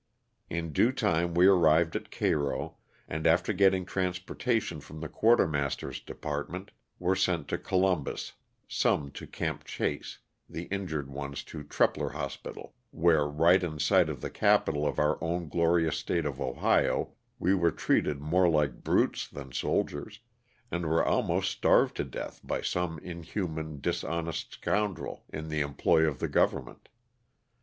In due time we arrived at Cairo, and after getting transportation from the quartermaster's department, were sent to Colum bus, some to ''Camp Chase,'' the injured ones to '^ Treplar Hospital," where right in sight of the capitol of our own glorious state of Ohio we were treated more like brutes than soldiers, and were almost starved to death by some inhuman, dishonest scoundrel, in the employ of the government.